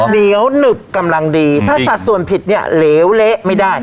เหนียวหนึบกำลังดีถ้าสัดส่วนผิดเนี่ยเหลวเละไม่ได้